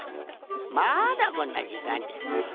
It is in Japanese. まだこんなじかんで。